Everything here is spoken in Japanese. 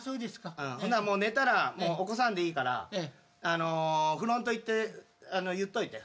もう寝たら起こさんでいいからフロント行って言っといて。